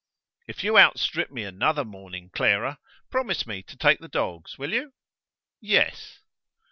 "If you outstrip me another morning, Clara, promise me to take the dogs; will you?" "Yes."